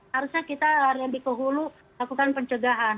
harusnya kita lebih ke hulu lakukan pencegahan